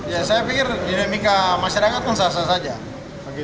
ya saya pikir dinamika masyarakat pun sah sah saja